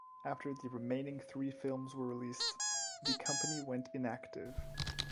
After the remaining three films were released, the company went inactive.